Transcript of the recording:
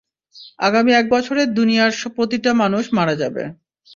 আগামী এক বছরের দুনিয়ার প্রতিটা মানুষ মারা যাবে।